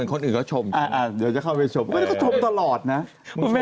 และโทรให้ชาวบ้านดูนะ